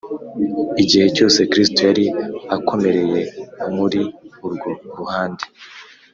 Igihe cyose Kristo yari akomereye muri urwo ruhande